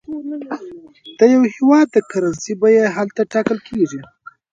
د یو هېواد د کرنسۍ بیه هلته ټاکل کېږي.